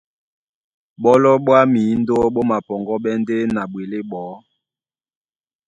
Ɓɔ́lɔ ɓá mǐndó ɓó mapɔŋgɔ́ɓɛ́ ndé na ɓwelé ɓɔɔ́.